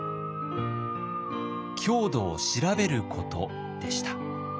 郷土を調べることでした。